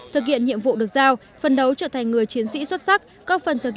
thực hiện nhiệm vụ được giao phân đấu trở thành người chiến sĩ xuất sắc có phần thực hiện tốt nhiệm vụ xây dựng